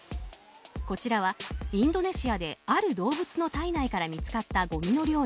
こちらはインドネシアである動物の体内から見つかったごみの量です。